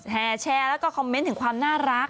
แห่แชร์แล้วก็คอมเมนต์ถึงความน่ารัก